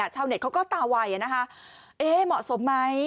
ชาวเน็ตเขาก็ตาไวนะคะเหมาะสมไหม